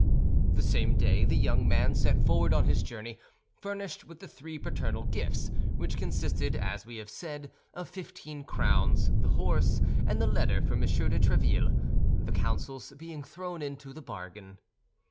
The same day the young man set forward on his journey, furnished with the three paternal gifts, which consisted, as we have said, of fifteen crowns, the horse, and the letter for M. de Tréville—the counsels being thrown into the bargain.